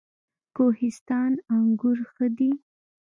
کوهستان انګور ښه دي؟